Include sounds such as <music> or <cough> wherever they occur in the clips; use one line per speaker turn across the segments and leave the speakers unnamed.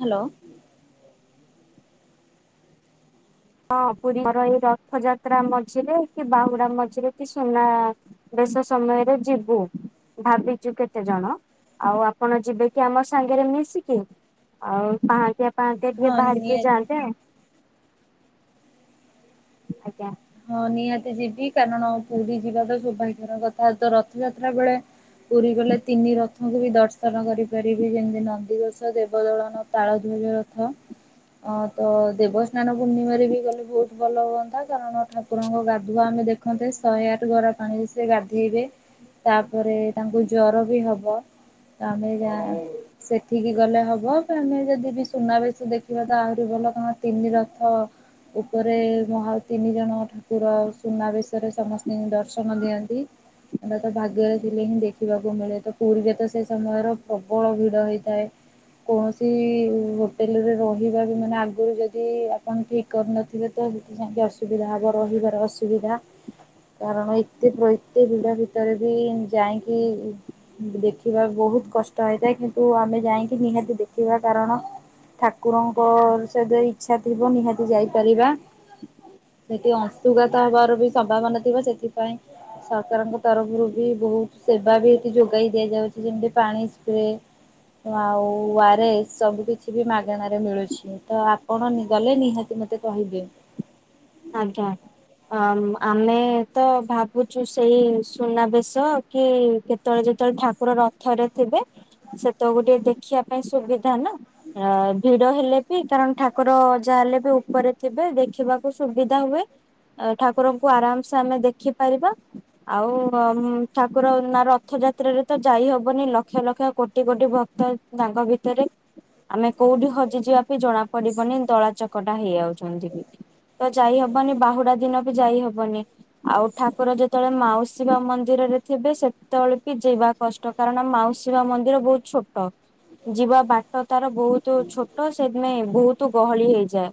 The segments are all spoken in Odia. ହାଲୋ।
ହଁ ପୁରୀ ପର ଏଇ ରଥଯାତ୍ରା ମଝିରେ କି ବାହୁଡ଼ା ମଝିରେ କି ସୁନା ବେଶ ସମୟରେ ଯିବୁ ଭାବିଚୁ କେତେ ଜଣ। ଆଉ ଆପଣ ଯିବେ କି ଆମ ସାଙ୍ଗେରେ ମିଶିକି? ଆଉ ପାହାନ୍ତିଆ ପାହାନ୍ତିଆ
ହଁ
ଟିକେ ବାହାରିକି
ନିହାତି
ଥାଆନ୍ତେ ଆଉ। ଆଜ୍ଞା।
ହଁ ନିହାତି ଯିବି କାରଣ ପୁରୀ ଯିବା ତ ସୌଭାଗ୍ୟର କଥା ତ ରଥଯାତ୍ରା ବେଳେ ପୁରୀ ଗଲେ ତିନି ରଥଙ୍କୁ ବି ଦର୍ଶନ କରି ପାରିବି ଯେମିତି ନନ୍ଦିଘୋଷ ଦେବଦଳନ ତାଳଧ୍ୱଜ ର ଥ ଅଁ ତ ଦେବସ୍ନାନ ପୂର୍ଣ୍ଣିମାରେ ବି ଗଲେ ଭୋଉତ୍ ଭଲ ହୁଅନ୍ତା କାରଣ ଠାକୁରଙ୍କ ଗାଧୁଆ ଆମେ ଦେଖନ୍ତେ ଶହେ ଆଠ ଗରା ପାଣିରେ ସେ ଗାଧେଇବେ। ତାପରେ ତାଙ୍କୁ ଜର ବି ହବ ତ ଆମେ ଯାଁ ସେଠିକି ଗଲେ ହବ କା ଆମେ ଯଦି ବି ସୁନାବେଶ ଦେଖିବା ତ ଆହୁରି ଭଲ କଣ ତିନି ରଥ ଉପରେ ମହା ଆଉ ତିନି ଜଣ ଠାକୁର ସୁନାବେଶରେ ସମସ୍ତିଙ୍କୁ ଦର୍ଶନ ଦିଅନ୍ତି। ଏଟା ତ ଭାଗ୍ୟରେ ଥିଲେ ହିଁ ଦେଖିବାକୁ ମିଳେ ତ ପୁରୀରେ ତ ସେ ସମୟର ପବଳ ଭିଡ଼ ହେଇଥାଏ। କୌଣସି ହୋଟେଲରେ ରହିବା ବି ମାନେ ଆଗୁରୁ ଯଦି ଆପଣ ଠି କରନଥିବେ ତ ସେଠି ଯାଇଁକି ଅସୁବିଧା ହବ ରହିବାର ଅସୁବିଧା। କାରଣ ଏତେ ପ୍ର ଏତେ ଭିଡ଼ ଭିତରେ ବି ଯାଇଁକି ଦେଖିବା ବୋହୁତ କଷ୍ଟ ହେଇଥାଏ କିନ୍ତୁ ଆମେ ଯାଇଁକି ନିହାତି ଦେଖିବା କାରଣ ଠାକୁରଙ୍କର ସେ ତ ଇଚ୍ଛା ଥିବ ନିହାତି ଯାଇପାରିବା। ସେଠି ଅଂଶୁଘାତ ହବାର ବି ସମ୍ଭାବନା ଥିବ ସେଥିପାଇଁ ସରକାରଙ୍କ ତରଫରୁ ବି ବୋହୁତ ସେବା ବି ଏଠି ଯୋଗାଇ ଦିଆଯାଉଛି ଯେମତି ପାଣି ସ୍ପ୍ରେ। ତ ଆଉ ଓ ଆର୍ ଏସ୍ ସବୁ କିଛି ବି ମାଗେଣାରେ ମିଳୁଛି। ତ ଆପଣ ନି ଗଲେ ନିହାତି ମତେ କହିବେ।
ଆଜ୍ଞା। ଅମ୍ ଆମେ ତ ଭାବୁଚୁ ସେଇ ସୁନାବେଶ କି କେ ତଳେ ଯେତଳେ ଠାକୁର ରଥରେ ଥିବେ ସେତେକୁ ଟିକେ ଦେଖିବା ପାଇଁ ସୁବିଧା ନା। ଅଁ ଭିଡ଼ ହେଲେ ବି କାରଣ ଠାକୁର ଯାହା ହେଲେ ବି ଉପରେ ଥିବେ ଦେଖିବା ଉ ସୁବିଧା ହୁଏ ଅ ଠାକୁରଙ୍କୁ ଆରାମସେ ଆମେ ଦେଖିପାରିବା। ଆଉ ଉଁ ଠାକୁର ନା ରଥଯାତ୍ରାରେ ତ ଯାଇ ହବନି ଲକ୍ଷ ଲକ୍ଷ କୋଟି କୋଟି ଭକ୍ତ ତାଙ୍କ ଭିତରେ ଆମେ କୋଉଠି ହଜିଯିବା ବି ଜଣା ପଡ଼ିବନି ଦଳା ଚକଟା ହେଇଆଉଛନ୍ତି ବି। ତ ଯାଇ ହବନି ବାହୁଡ଼ା ଦିନ ବି ଯାଇ ହବନି। ଆଉ ଠାକୁର ଯେତଳେ ମାଉସୀ ମା ମନ୍ଦିରରେ ଥିବେ ସେତଳେ ବି ଯିବା କଷ୍ଟ କାରଣ ମାଉସୀ ମା ମନ୍ଦିର ବୋହୁତ ଛୋଟ। ଯିବା ବାଟ ତାର ବୋହୁତୁ ଛୋଟ ସେଦମେ ବୋହୁତୁ ଗହଳି ହେଇଯାଏ।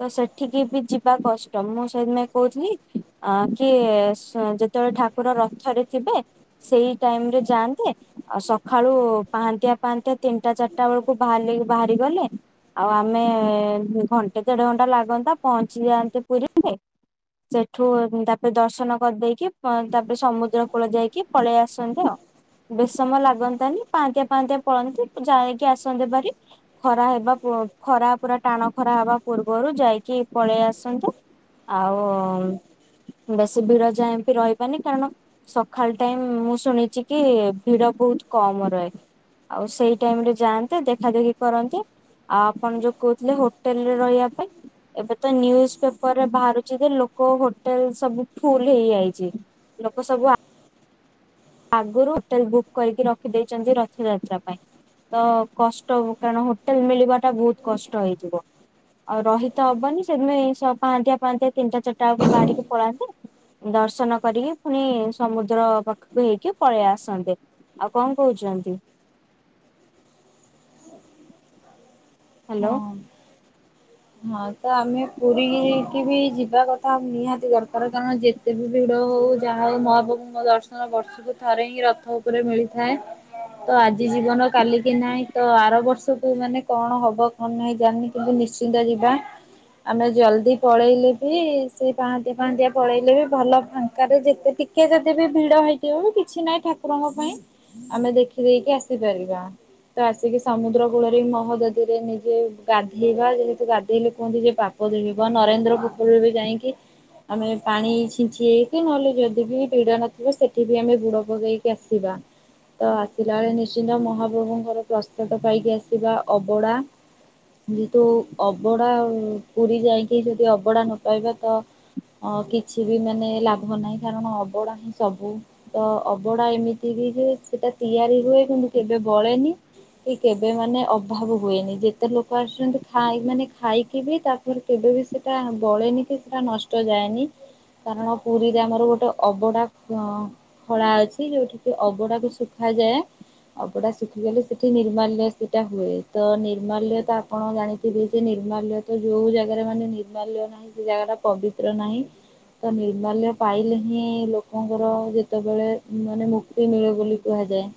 ତ ସେଠିକି ବି ଯିବା କଷ୍ଟ ମୁଁ ସେଇଥିନାଇ କହୁଥିଲି ଅ କି ସ୍ ଯେତଳେ ଠାକୁର ରଥରେ ଥିବେ ସେଇ ଟାଇମ୍ ରେ ଯାଆନ୍ତେ ଆଉ ସଖାଳୁ ପାହାନ୍ତିଆ ପାହାନ୍ତିଆ ତିନିଟା ଚାରିଟା ବେଳୁକୁ ବାହାରଲେଗି ବାହାରି ଗଲେ ଆଉ ଆମେ ଘଣ୍ଟେ ଦେଢ଼ ଘଣ୍ଟା ଲାଗନ୍ତା ପହଞ୍ଚି ଯାଆନ୍ତେ ପୁରୀରେ। ସେଠୁ ତାପରେ ଦର୍ଶନ କରିଦେଇକି ପ ତାପରେ ସମୁଦ୍ର କୂଳ ଯାଇକି ପଳେଇ ଆସନ୍ତେ ଅ। ବେଶି ସମୟ ଲାଗନ୍ତାନି ପାଆଁନ୍ତିଆ ପାଆଁନ୍ତିଆ ପଳାନ୍ତି ଯାଇକି ଆସନ୍ତେ ବାରି। ଖରା ହେବା ପୁ ଖରା ପୁରା ଟାଣ ଖରା ହେବା ପୂର୍ବରୁ ଯାଇକି ପଳି ଆସନ୍ତେ। ଆଉ ବେଶୀ ଭିଡ ଯାଏଁ ବି ରହିବାନି କାରଣ ସକାଳ ଟାଇମ୍ ମୁଁ ଶୁଣିଚି କି ଭିଡ ବହୁତ୍ କମ ରହେ। ଆଉ ସେଇ ଟାଇମ୍ ରେ ଯାଆନ୍ତେ, ଦେଖା ଦେଖି କରନ୍ତେ। ଆଉ ଆପଣ ଯୋଉ କହୁଥିଲେ ହୋଟେଲ୍ ରେ ରହିବା ପାଇଁ ଏବେ ତ ନ୍ୟୁଜ୍ ପେପର ରେ ବାହାରୁଚି ଯେ ଲୋକ ହୋଟେଲ୍ ସବୁ ଫୁଲ ହେଇଯାଇଚି। ଲୋକ ସବୁ ଆ ଆଗରୁ ହୋଟେଲ୍ ବୁକ୍ କରିକି ରଖି ଦେଇଚନ୍ତି ରଥଯାତ୍ରା ପାଇଁ। ତ କଷ୍ଟ ହବ କାରଣ ହୋଟେଲ୍ ମିଳିବା ଟା ବହୁତ୍ କଷ୍ଟ ହେଇଯିବ। ଆଉ ରହିତ ହବନି ସେଇଥିପାଇଁ ସବୁ ପାଆଁନ୍ତିଆ ପାଆଁନ୍ତିଆ ତିନିଟା ଚାରିଟା ବେଳକୁ ବାହାରିକି ପଳାନ୍ତି। ଦର୍ଶନ କରିକି ପୁଣି ସମୁଦ୍ର ପା ଖେ ହେଇକି ପଳି ଆସନ୍ତେ ଆଉ କଣ କହୁଚନ୍ତି? ହ୍ୟାଲୋ।
ହଁଂ। ହଁ ତ ଆମେ ପୁରୀ କି ବି ଯିବା କଥା ନିହାତି ଦରକାର କାରଣ ଯେ ଯେତେ ଭିଡ ହୋଉ ଯାହା ହୋଉ ମହାପଭୁଙ୍କ ଦର୍ଶନ ବର୍ଷକୁ ଥରେ ହିଁ ରଥ ଉପରେ ମିଳିଥାଏ। ତ ଆଜି ଜୀବନ କାଲି କି ନାହିଁ ତ ଆର ବର୍ଷକୁୁ ମାନେ କଣ ହବ ହବ କନ୍ ନାଇଁ ଜାଣିନି କିନ୍ତୁ ନିଶ୍ଚିନ୍ତ ଯିବା। ଆମେ ଜଲଦି ପଳେଇଲେ ବି ସେଇ ପାଆଁନ୍ତିଆ ପାଆଁନ୍ତିଆ ପଳେଇଲେ ବି ଭଲ ଫାଙ୍କାରେ ଯେତେ ଟି କିଏ ଯଦି ବି ଭିଡ ହେଇଥିବ କିଛି ନାହିଁ ଠାକୁରଙ୍କ ପାଇଁ ଆମେ ଦେଖି ଦେଇକି ଆସିପାରିବା ତ ଆସିକି ସମୁଦ୍ର କୂଳରେ ମହୋଦଧି ରେ ନିଜେ ଗାଧେଇବା ଯେହେତୁ ଗାଧେଇଲେ କୁହନ୍ତି ଯେ ପାପ ଧୋଇହବ ନରେନ୍ଦ୍ର ପୋଖରିରେ ଯାଇଁକି ଆମେ ପାଣି ଛିଞ୍ଚି ହେଇକି ନହେଲେ ଯଦି ବି ଭୀଡ ନଥିବ ସେଠି ବି ଆମେ ବୁଡ ପକେଇକି ଆସିବା। ତ ଆସିଲା ବେଳେ ନିଶ୍ଚିନ୍ତ ମହାପ୍ରଭୁଙ୍କର ପ୍ରଶାଦ ପାଇକି ଆସିବା। ଅବଡ଼ା ଯେହେତୁ ଅବଡ଼ା ପୁରୀ ଯାଇକି ଯଦି ଅବଡ଼ା ନ ପାଇବା ତ ଅ କିଛି ବି ମାନେ ଲାଭ ନାହିଁ କାରଣ ଅବଡ଼ା ହିଁ ସବୁ। ତ ଅବଡ଼ା ଏମିତି ବି ଯେ ସେଟା ତିଆରି ହୁଏ କିନ୍ତୁ କେବେ ବଳେନି। ଠିକ୍ ଏବେ ମାନେ ଅ ଅଭାବ ହୁଏନି ଯେତେ ଲୋକ ଆସନ୍ତୁ ଖାଇ ମାନେ ଖାଇକି ବି ତାପରେ କେବେ ବି ସ ସେଟା ବଳେନି କି ସେଟା ନଷ୍ଟ ଯାଏନି। କାରଣ ପୁରୀରେ ଆମର ଗୋଟେ ଅବଡ଼ା ଖୋଳା ଅଛି ଯୋଉଠିିକି ଅବଡାକୁ ଶୁଖାଯାଏ। ଅବଡ଼ା ଶୁଖିଗଲେ ସେଠି ନିର୍ମାଲ୍ୟ ସେଟା ହୁଏ। ତ ନିର୍ମାଲ୍ୟ ତ ଆପଣ ଜାଣିଥିବେ ଯେ ନିର୍ମାଲ୍ୟ ତ ଯୋଉ ଜାଗାରେ ମାନେ ନିର୍ମାଲ୍ୟ ନାହିଁ। ସେ ଜାଗା ଟା ପବିତ୍ର ନାହିଁ। ତ ନିର୍ମାଲ୍ୟ ପାଇଲେ ହିଁ ଲୋକଙ୍କର ଯେତେବେଳେ ମାନେ ମୁକ୍ ସେ ମିଳେ ବୋଲି କୁହାଯାଏ।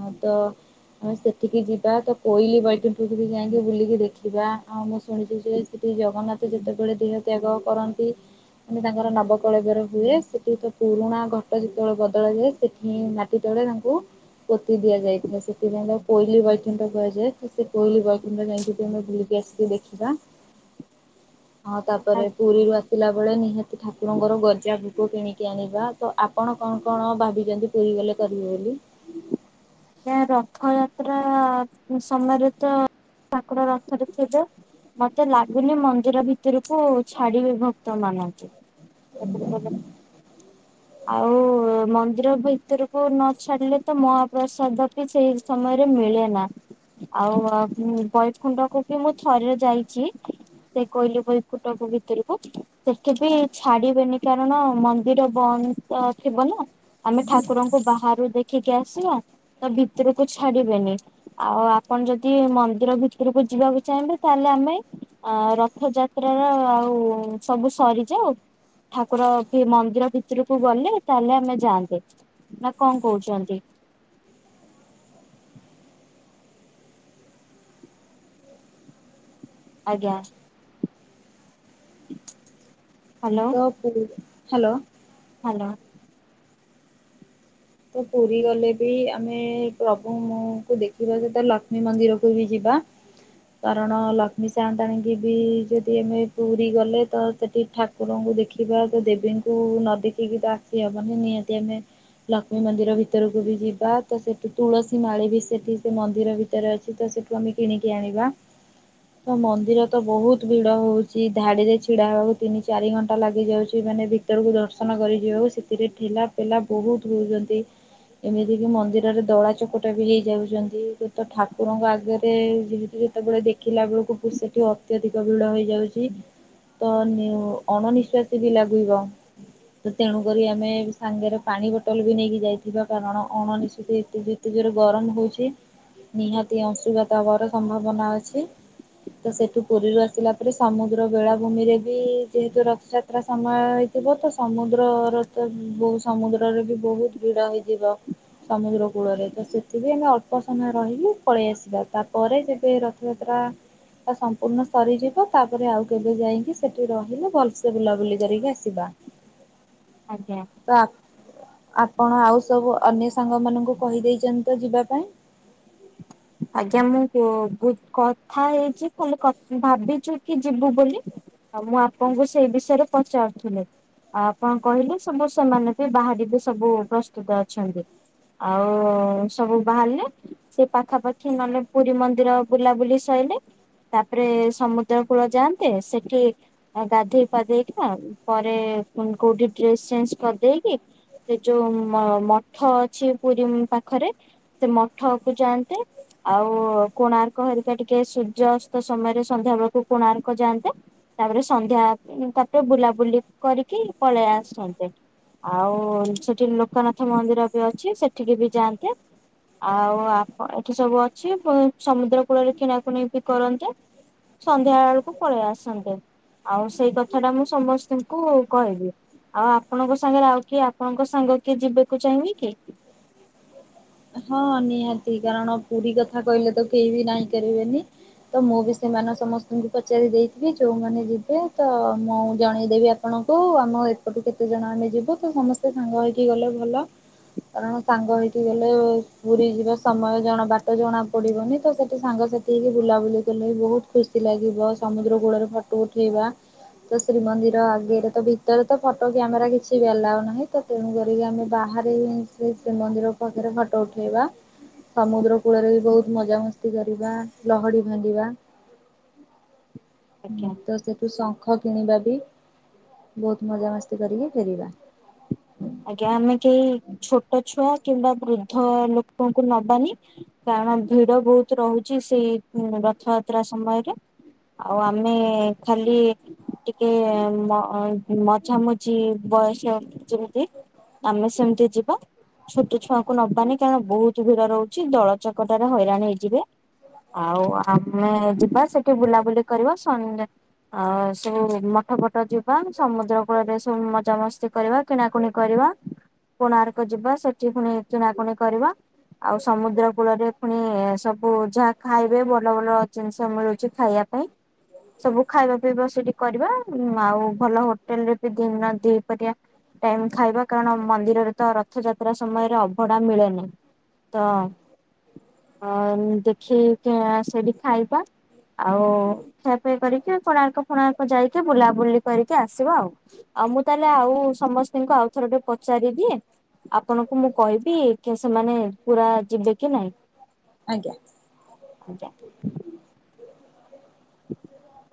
ମଦ ଆମେ ସେଠିକି ଯିବା ତ କୋଇଲି <unintelligible> ଯାଇଁକି ବୁଲିକି ଦେଖିବା ଆଉ ମୁଁ ଶୁଣିଚି ଯେ ସେଠି ଜଗନ୍ନାଥ ଯେତେବେଳେ ଦେହ ତ୍ୟାଗ କରନ୍ତି। ଯେ ତାଙ୍କର ନବକଳେବର ହୁଏ ସେଠି ତ ପୁରୁଣା ଘଟ ଯେତେବେଳେ ବଦଳାଯାଏ ସେଠି ନାଁ ଯେତେବେଳେ ତାଙ୍କୁ ପୋତି ଦିଆଯାଇଥାଏ ସେଥିପାଇଁ ତାକୁ କୋଇଲି ବୈକୁଣ୍ଠ କୁହାଯାଏ। ସେ ସେ କୋଇଲି ବୈକୁଣ୍ଠ ଯାଇଙ୍କି କେବେ ଆମେ ବୁଲିକି ଆସିକି ଦେଖିବା। ଆଉ ତାପରେ ପୁରୀ ରୁ ଆ ଥିଲାବେଳେ ନିହାତି ଠାକୁରଙ୍କର ଗଜା ଭୋକ କିଣିକି ଆଣିବା ତ ଆପଣ କଣ କଣ ଭାବିଛନ୍ତି? ପୁରୀ ଗଲେ କରିବେ ବୋଲି?
ଆଜ୍ଞା ରଥଯାତ୍ରା ସମୟରେ ତ ଠାକୁର ରଥରେ ଥିବେ ମତେ ଲାଗୁନି ମନ୍ଦିର ଭିତରକୁ ଛାଡିବେ ଭକ୍ତ ମାନଙ୍କୁ। ଆଉ ମନ୍ଦିର ଭିତରକୁ ନଛାଡିଲେ ତ ମହାପ୍ରସାଦ ବି ସେଇ ସମୟରେ ମିଳେ ନା। ଆଉ ବୈଖୁଣ୍ଡକୁ ବି ମୁଁ ଥରେ ଯାଇଛି। ସେ କୋଇଲି ବୈକୁଣ୍ଠ <unintelligible> ଭିତରକୁ। ସେଠି ବି ଛାଡିବେନି କାରଣ ମନ୍ଦିର ବନ୍ଦ ତ ଥିବ ନା ଆମେ ଠାକୁରଙ୍କୁ ବାହାରୁ ଦେଖି ଠିକେ ଆସିବା ତା ଭିତରକୁ ଛାଡିବେନି। ଆଉ ଆପଣ ଯଦି ମନ୍ଦିର ଭିତରକୁ ଯିବାକୁ ଚାହିଁବେ ତାହେଲେ ଆମେ ଆ ରଥଯାତ୍ରାର ଆଉ ସବୁ ସରିଯାଉ ଠାକୁର ମନ୍ଦିର ଭିତରୁ ତୁ ଗଲେ ତାହେଲେ ଆମେ ଯାଆନ୍ତେ ନା କଣ କହୁଛନ୍ତି? ଆଜ୍ଞା। ହ୍ୟାଲୋ
ତ <unintelligible> ହ୍ୟାଲୋ
ହ୍ୟାଲୋ।
ତ ପୁରୀ ଗଲେ ବି ଆମେ ପ୍ରଭୁ କ ଦେଖିବା ସେ ତା ଲକ୍ଷ୍ମୀ ମନ୍ଦିରକୁ ବି ଯିବା। କାରଣ ଲକ୍ଷ୍ମୀ ସାରଣୀ ଙ୍କୁ ବି ଯଦି ଆମେ ପୁରୀ ଗଲେ ତ ସେଠି ଠା ଠାକୁରଙ୍କୁ ଦେଖିବା ତ ଦେବୀଙ୍କୁ ନ ଦେଖିକି ତ ଆସିହବନି, ନିହାତି ଆମେ ଲକ୍ଷ୍ମୀ ମନ୍ଦିର ଭିତରକୁ ବି ଯିବା ତ ସେଠୁ ତୁଳସୀ ମାଳି ବି ସେଠି ସେ ମନ୍ଦିର ଭିତରେ ଅଛି ତ ସେଠୁ ତମେ କିଣିକି ଆଣିବା। ତ ମନ୍ଦିର ତ ବହୁତ ଭିଡ ହଉଛି ଧାଡିରେ ଛିଡା ହେବାକୁ ତିନି ଚାରି ଘଣ୍ଟା ଲାଗି ଯାଉଛି, ମାନେ ଭିତରକୁ ଦର୍ଶନ କରି ଯି <unintelligible> ସେଥିରେ ଠଲାପଲା ବହୁତ ହଉ <unintelligible> ଏମିତିକି ମନ୍ଦିରରେ ଦଳା ଚକଟା ବି ହେଇଯାଉଛନ୍ତି, ତ ଠାକୁରଙ୍କ ଆଗରେ ଯେମିତି ସେତେବେଳେ ଦେଖିଲା ବେଳକୁକୁ ସେଠୁ ଅତ୍ୟଧିକ ଭିଡ ହେଇଯାଉଛି। ତ ଅଣନିଶ୍ଵାସୀ ବି ଲାଗିବ। ତ ତେଣୁ କରି ଆମେ ସାଙ୍ଗରେ ପାଣି ବୋ ବୋଟଲ ବି ନେଇକି ଯାଇଥିବା କାରଣ ଅଣ <unintelligible> ଯେତେ ଜୋରେ ଗରମ ହୋଉଛି। ନିହାତି ଅଂଶୁଘାତ ହବାର ସମ୍ଭାବନା ଅଛି। ତ ସେଠୁ ପୁରୀରୁ ଆସିଲା ପରେ ସମୁଦ୍ର ବେଳାଭୂମି ରେ ବି ଯେହେତୁ ରା <unintelligible> ସମୟ ହେଇଥିବ ତ ସମୁଦ୍ରର ତ ବହୁ ସମୁଦ୍ରରେ ବି ବୋହୁତ ଭିଡ ହେଇଯିବ। ସମୁଦ୍ର କୂଳରେ ତ ସେଥିପି ଆମେ ଅଳ୍ପ ସମୟ ରହିକି ପଳେଇ ଆସିବା, ତାପରେ ଯେବେ ର <unintelligible> ତା ସମ୍ପୂର୍ଣ୍ଣ ସରିଯିବ ତାପରେ ଆଉ କେବେ ଯାଇକି ସେଠି ରହିଲେ ଭଲସେ ବୁଲାବୁଲି କରିକି ଆସିବା।
ଆଜ୍ଞା।
<unintelligible> ଆପଣ ଆଉ ସବୁ ଅନ୍ୟ ସାଙ୍ଗ ମାନଙ୍କୁ କହିଦେଇଛନ୍ତି ତ ଯିବା ପାଇଁ?
ଆଜ୍ଞା ମୁଁ କଥା ବୁ କ କଥା ହେଇଛି ଖାଲି ଭାବିଛୁ କି ଯିବୁ ବୋଲି ଆଉ ମୁଁ ଆପଣଙ୍କୁ ସେଇ ବିଷୟରେ ପଚାରୁଥିଲି। ଆ ଆପଣ କହିଲେ ସବୁ ସେମାନେ ବି ବାହାର ବି ସବୁ ପ୍ରସ୍ତୁତ ଅଛନ୍ତି। ଆଉ ସବୁ ବାହାରିଲେ ସେ ପାଖାପାଖି କି ନହେଲେ ପୁରୀ ମନ୍ଦିର ବୁଲାବୁଲି ସଇଲେ ତାପରେ ସମୁଦ୍ର କୂଳ ଯାଆନ୍ତେ ସେଠି ଆ ଗାଧେଇ ପଧେଇକିନା ପରେ ଫୁଣି କୋଉଠି ଡ୍ରେସ ଚେଞ୍ଜ କରିଦେଇକି ସେ ଯୋଉ ମ-ମଠ ଅଛି ପୁରୀ ପାଖରେ ସେ ମଠକୁ ଯାଆନ୍ତେ। ଆଉ କୋଣାର୍କ ହେରିକା ଟିକେ ସୂର୍ଯସ୍ତ ସମୟରେ ସନ୍ଧ୍ୟା ବେଳକୁ କୋଣାର୍କ ଯାଆନ୍ତେ। ତାପରେ ସନ୍ଧ୍ୟା ତାପରେ ବୁଲାବୁଲି କରିକି ପଳେଇ ଆସନ୍ତେ। ଆଉ ସେଠି ଲୋକନାଥ ମନ୍ଦିର ବି ଅଛି ସେଠିକି ବି ଯାଆନ୍ତେ। ଆଉ ଆପ ଏଠି ସବୁ ଅଛି ସମୁଦ୍ର କୂଳରେ କିଣାକୁଣି ବି କରନ୍ତେ। ସନ୍ଧ୍ୟା ବେଳକୁ ପଳେଇ ଆସନ୍ତେ। ଆଉ ସେଇ କଥା ଟା ମୁଁ ସମସ୍ତଙ୍କୁ କହିବି। ଆଉ ଆପଣଙ୍କ ସାଙ୍ଗରେ ଆଉ କିଏ ଆପଣଙ୍କ ସାଙ୍ଗ କିଏ ଯିବାକୁ ଚାହିଁବେ କି?
ହଁ ନିହାତି କାରଣ ପୁରୀ କଥା କହିଲେ ତ କେହି ବି ନାଇଁ କରିବେନି। ତ ମୁଁ ବି ସେମାନେ ସମସ୍ତଙ୍କୁ ପଚାରି ଦେଇଥିବି ଯୋଉମାନେ ଯିବେ ତ ମୁଁ ଜଣେଇଦବି ଆପ୍ ଆପଣଙ୍କୁ ଆମ ଏପଟୁ କେତେ ଜଣ ଆମେ ଯିବୁ ତ ସମସ୍ତେ ସାଙ୍ଗ ହେଇକି ଗଲେ ଭଲ। କାରଣ ସାଙ୍ଗ ହେଇକି ଗଲେ ପୁରୀ ଯିବା ସମୟ ଜଣା ବାଟ ଜଣା ପଡିବନି ତ ସେଠି ସାଙ୍ଗ ସାଥି ହେଇକି ବୁଲାବୁଲି କଲେ ବି ବୋହୁତ ଖୁସି ଲାଗିବ ସମୁଦ୍ର କୂଳରେ ଫଟୋ ଉଠେଇବା। ତ ଶ୍ରୀମନ୍ଦିର ଆଗେଇରେ ତ ଭିତରେ ତ ଫଟୋ କ୍ୟାମେରା କିଛି ବି ଆଲାଉ ନାହିଁ ତ ତେଣୁ କରିକି ଆମେ ବାହାରେ ହି ସେ ଶ୍ରୀମନ୍ଦିର ପାଖରେ ଫଟୋ ଉଠୋ ଇବା ସମୁଦ୍ର କୂଳରେ ବି ବୋହୁତ ମଜାମସ୍ତି କରିବା ଲହଡ଼ି ଭାଙ୍ଗିବା। ହୁଁ
ଆଜ୍ଞା
ତ ସେଠୁ ଶଙ୍ଖ କିଣିବା ବି ବୋହୁତ ମଜାମସ୍ତି କରିକି ଫେରିବା।
ଆଜ୍ଞା ଆମେ କେହି ଛୋଟ ଛୁଆ କିମ୍ବା ବୃଦ୍ଧ ଲୋକଙ୍କୁ ନବାନି। କାରଣ ଭିଡ ବୋହୁତ ରୋହୁଚି ସେଇ ରଥଯାତ୍ରା ସମୟରେ। ଆଉ ଆମେ ଖାଲି ଟିକେ ମ ମଝାମୁଝି ବୟସ ଯେମିତି ଆମେ ସେମିତି ଯିବା। ଛୋଟ ଛୁଆଙ୍କୁ ନବାନି କାରଣ ବୋହୁତ ଭିଡ ରୋହୁଚି ଦଳା ଚକଟାରେ ହଇରାଣ ହେଇଯିବେ। ଆଉ ଆମେ ଯିବା ସେଠି ବୁଲାବୁଲି କରିବା ସଣ୍ଡେ ଆଉ ସବୁ ମଠ ଫଟ ଯିବା ସମୁଦ୍ର କୂଳରେ ସବୁ ମଜାମସ୍ତି କରିବା କିଣାକୁଣି କରିବା କୋଣାର୍କ ଯିବା ସେଠି ଫୁଣି କିଣାକୁଣି କରିବା। ଆଉ ସମୁଦ୍ର କୂଳରେ ଫୁଣି ସବୁ ଯାହା ଖାଇବେ ଭଲ ଭଲ ଜିନିଷ ମିଳୁଚି ଖାଇଆ ପାଇଁ ସବୁ ଖାଇବା ପିଇବା ସେଠି କରିବା ଆଉ ଭଲ ହୋଟେଲ ରେ ବି ଦିନ ଦିପହରିଆ ଟାଇମ ଖାଇବା କାରଣ ମନ୍ଦିରରେ ତ ରଥଯାତ୍ରା ସମୟରେ ଅଭଢା ମିଳେନି ତ ଅ ଦେଖେଇ କି ସେଠି ଖାଇବା ଆଉ ଖିଆ ପିଆ କରିକି କୋଣାର୍କ ଫୋଣାର୍କ ଯାଇକି ବୁଲାବୁଲି କରିକି ଆସିବା ଆଉ। ଆଉ ମୁଁ ତାହେଲେ ଆଉ ସମସ୍ତଙ୍କୁ ଆଉଥର ଟେ ପଚାରି ଦିଏ ଆପଣଙ୍କୁ ମୁଁ କହିବି କି ସେମାନେ ପୁରା ଯିବେ କି ନାଇଁ।
ଆଜ୍ଞା।
ଆଜ୍ଞା। <inaudible>